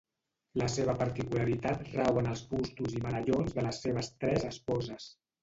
La seva particularitat rau en els bustos i medallons de les seves tres esposes.